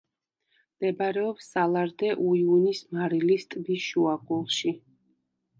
მდებარეობს სალარ-დე-უიუნის მარილის ტბის შუაგულში.